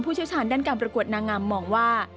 เชี่ยวชาญด้านการประกวดนางงามมองว่า